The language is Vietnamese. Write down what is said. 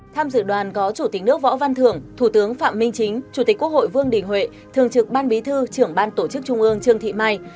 tham dự đoàn có chủ tịch nước võ văn thưởng thủ tướng phạm minh chính chủ tịch quốc hội vương đình huệ thường trực ban bí thư trưởng ban tổ chức trung ương trương thị mai